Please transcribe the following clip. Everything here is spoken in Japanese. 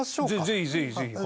ぜひぜひぜひ。